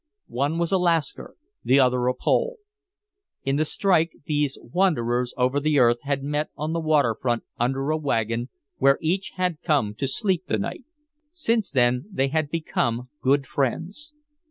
One was a Lascar, the other a Pole. In the strike these wanderers over the earth had met on the waterfront under a wagon where each had come to sleep the night. Since then they had become good friends.